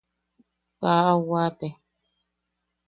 Kaa au waate.